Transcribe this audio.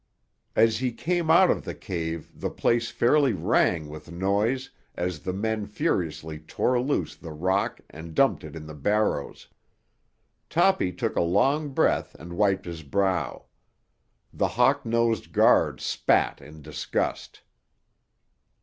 As he came out of the cave the place fairly rang with noise as the men furiously tore loose the rock and dumped it in the barrows. Toppy took a long breath and wiped his brow. The hawk nosed guard spat in disgust.